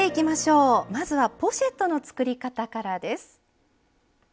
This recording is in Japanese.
まずはポシェットの作り方からです。